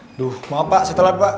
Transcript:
aduh maaf pak saya telat pak